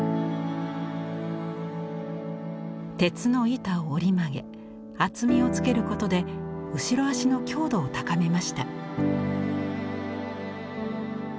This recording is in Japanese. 鉄の板を折り曲げ厚みをつけることで後ろ脚の強度を高めました。